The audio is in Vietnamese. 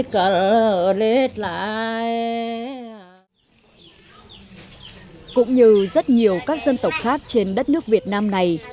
cũng như rất nhiều các dân tộc khác trên đất nước việt nam này